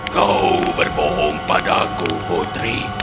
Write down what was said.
kau berbohong padaku putri